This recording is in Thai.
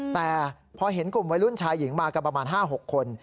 แต่พอเห็นกลุ่มวัยรุ่นชายหญิงมากันประมาณ๕๖คน